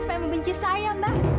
supaya membenci saya mbah